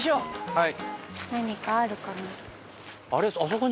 はい。